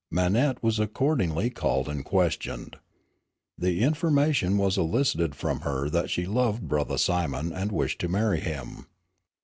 Manette was accordingly called and questioned. The information was elicited from her that she loved "Brothah Simon" and wished to marry him.